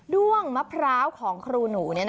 ้วงมะพร้าวของครูหนู